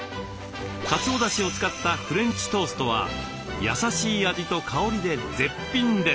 かつおだしを使ったフレンチトーストは優しい味と香りで絶品です。